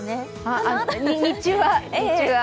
日中は。